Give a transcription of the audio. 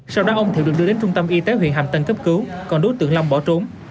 sau đó ông thiệu được đưa đến trung tâm y tế huyện hàm tân cấp cứu còn đối tượng long bỏ trốn